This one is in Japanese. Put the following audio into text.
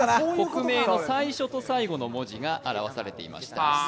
国名の最初と最後の文字が表されていました。